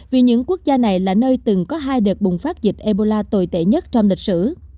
vì những quốc gia này là nơi từng có hai đợt bùng phát dịch ebola tồi tệ nhất trong lịch sử